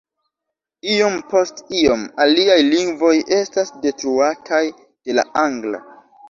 Iom post iom aliaj lingvoj estas detruataj de la angla.